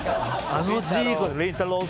あのジーコに。